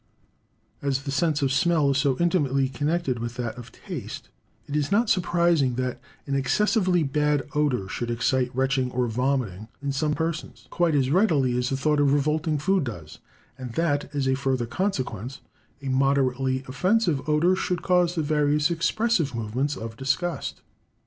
As the sense of smell is so intimately connected with that of taste, it is not surprising that an excessively bad odour should excite retching or vomiting in some persons, quite as readily as the thought of revolting food does; and that, as a further consequence, a moderately offensive odour should cause the various expressive movements of disgust.